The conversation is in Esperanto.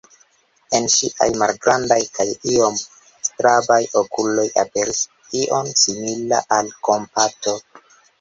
En ŝiaj malgrandaj kaj iom strabaj okuloj aperis io simila al kompato.